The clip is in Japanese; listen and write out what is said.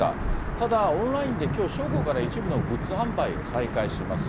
ただ、オンラインできょう正午から一部のグッズ販売を再開します。